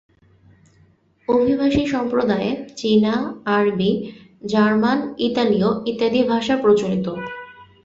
অভিবাসী সম্প্রদায়ে চীনা, আরবি, জার্মান, ইতালীয়, ইত্যাদি ভাষা প্রচলিত।